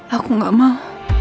aku gak mau